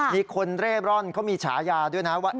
มีคนเร่ร่อนเขามีฉายาด้วยนะว่า